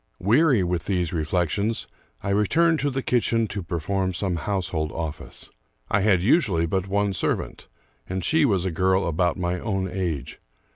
Weary with these reflections, I returned to the kitchen to perform some household office. I had usually but one serv ant, and she was a girl about my own age.